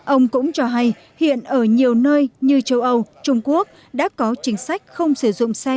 ông cũng cho hay hiện ở nhiều nơi như châu âu trung quốc đã có chính sách không sử dụng xe